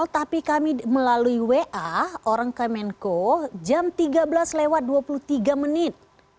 tapi kami melalui wa orang kemenko jam tiga belas lewat dua puluh tiga menit